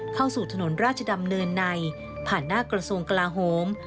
เข้าสู่ถนนราชดำเนินในผ่านหน้ากระทรวงกลาโฮม